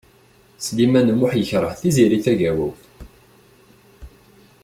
Sliman U Muḥ yekṛeh Tiziri Tagawawt.